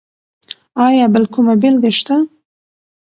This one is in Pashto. ایا بل کومه بېلګه شته؟